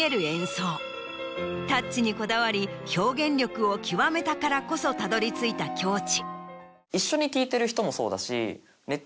タッチにこだわり表現力を極めたからこそたどり着いた境地。